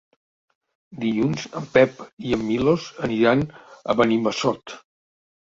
Dilluns en Pep i en Milos aniran a Benimassot.